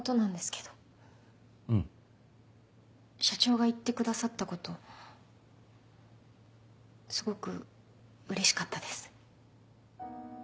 社長が言ってくださったことすごくうれしかったです。